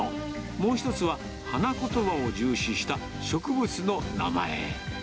もう１つは、花言葉を重視した植物の名前。